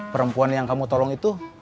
perempuan yang kamu tolong itu